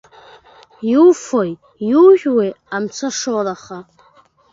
Иуфои, иужәуеи амцашоураха.